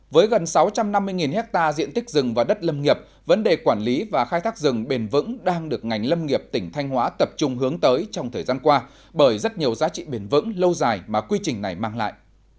với gần sáu trăm năm mươi hectare diện tích rừng và đất lâm nghiệp vấn đề quản lý và khai thác rừng bền vững đang được ngành lâm nghiệp tỉnh thanh hóa tập trung hướng tới trong thời gian qua bởi rất nhiều giá trị bền vững lâu dài mà quy trình này mang lại